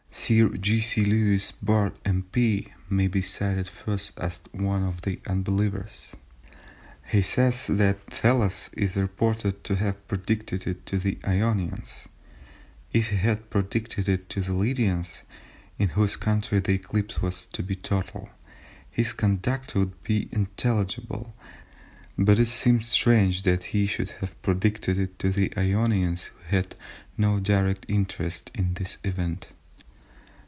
Sir G. C. Lewis, Bart., M.P., may be cited first as one of the unbelievers. He says that Thales is "reported to have predicted it to the Ionians. If he had predicted it to the Lydians, in whose country the eclipse was to be total, his conduct would be intelligible, but it seems strange that he should have predicted it to the Ionians who had no direct interest in the event."